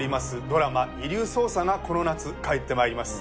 ドラマ『遺留捜査』がこの夏帰ってまいります。